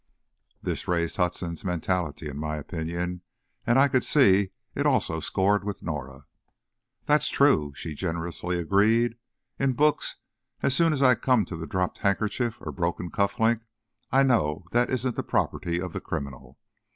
This raised Hudson's mentality in my opinion, and I could see it also scored with Norah. "That's true," she generously agreed. "In books, as soon as I come to the dropped handkerchief or broken cuff link, I know that isn't the property of the criminal.